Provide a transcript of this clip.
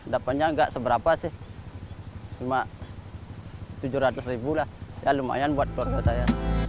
dapatnya nggak seberapa sih cuma tujuh ratus ribu lah ya lumayan buat keluarga saya